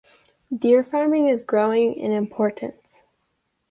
Deer farming is growing in importance.